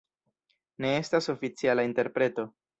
Ne estas oficiala interpreto.